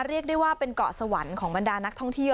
เรียกได้ว่าเป็นเกาะสวรรค์ของบรรดานักท่องเที่ยว